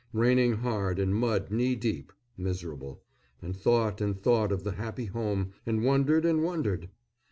Raining hard and mud knee deep miserable, and thought and thought of the happy home, and wondered and wondered!